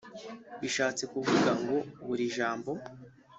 bishatse kuvuga ngo “Buri jambo